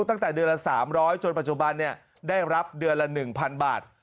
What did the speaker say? ตั้งแต่เดือนละ๓๐๐จนปัจจุบันได้รับเดือนละ๑๐๐๐บาท